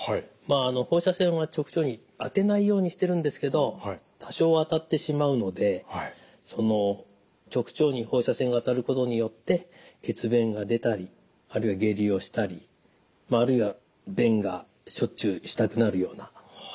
放射線は直腸に当てないようにしてるんですけど多少当たってしまうので直腸に放射線が当たることによって血便が出たりあるいは下痢をしたりあるいは便がしょっちゅうしたくなるようなことが起きます。